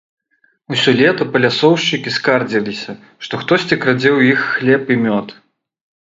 Усё лета палясоўшчыкі скардзіліся, што хтосьці крадзе ў іх хлеб і мёд.